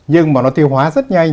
nhưng mà nó tiêu hóa rất nhanh